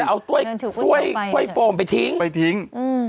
จะเอาถ้วยถ้วยถ้วยโปมไปทิ้งไปทิ้งอืม